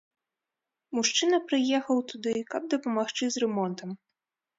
Мужчына прыехаў туды, каб дапамагчы з рамонтам.